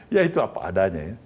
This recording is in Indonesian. ya itu apa adanya ya